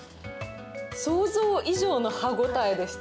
想像以上の歯応えでした。